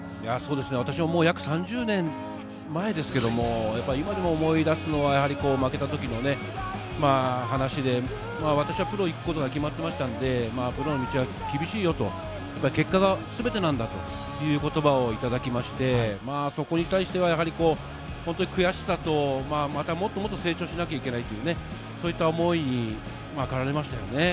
私は約３０年前ですけど、今でも思い出すのは負けたときの話で私はプロに行くことが決まっていましたんでプロの道は厳しいよと、結果がすべてなんだという言葉をいただきまして、そこに対しては本当に悔しさと、もっと成長しなきゃいけないという、そういった思いに駆られましたね。